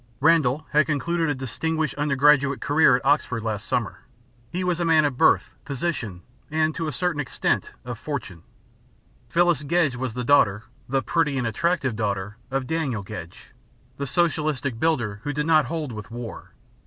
Randall had concluded a distinguished undergraduate career at Oxford last summer. He was a man of birth, position, and, to a certain extent, of fortune. Phyllis Gedge was the daughter, the pretty and attractive daughter, of Daniel Gedge, the socialistic builder who did not hold with war.